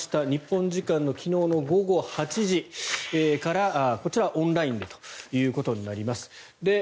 日本時間の昨日午後８時からこちら、オンラインでということになります。